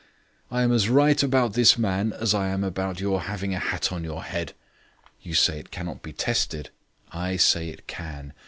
I am as right about that man as I am about your having a hat on your head. You say it cannot be tested. I say it can.